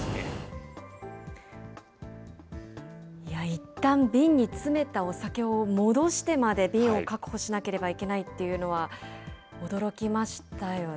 いったん瓶に詰めたお酒を戻してまで瓶を確保しなければいけないっていうのは、驚きましたよね。